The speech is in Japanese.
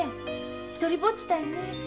独りぼっちたいねえ。